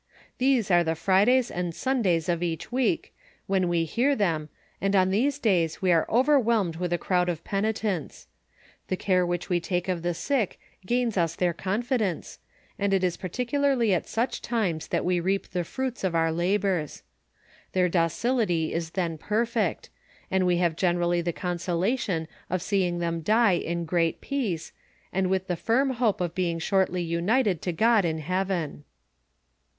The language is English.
These are the Fridays and Sundays of each week, when we hear them, and on those days we are overwhelmed with a crowd of penitents. The cnre which we take of the sick gains us their confidence, and it is particularly at such times that we reap the fruits of our labors. Their docility is then perfect, and we have generally the consolation of seeing them die in great peace, and with the firm hope of being shortly united to God in heaven.